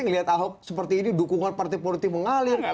ngelihat ahok seperti ini dukungan partai politik mengalir